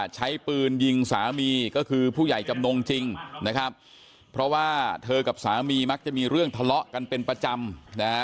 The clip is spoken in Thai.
ใช้ปืนยิงสามีก็คือผู้ใหญ่จำนงจริงนะครับเพราะว่าเธอกับสามีมักจะมีเรื่องทะเลาะกันเป็นประจำนะฮะ